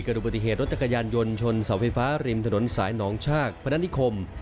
ดูปฏิเหตุรถจักรยานยนต์ชนเสาไฟฟ้าริมถนนสายหนองชากพนัฐนิคม